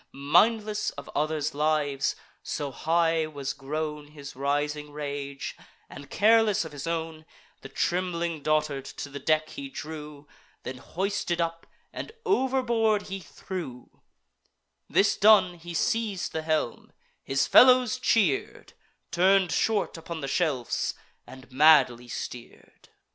Mindless of others' lives (so high was grown His rising rage) and careless of his own, The trembling dotard to the deck he drew; Then hoisted up, and overboard he threw: This done, he seiz'd the helm; his fellows cheer'd, Turn'd short upon the shelfs, and madly steer'd.